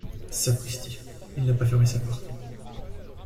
Sapristi ! il n’a pas fermé sa porte.